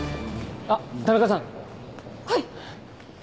あっ田中さん。はい。